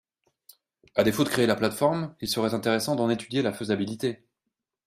À défaut de créer la plateforme, il serait intéressant d’en étudier la faisabilité.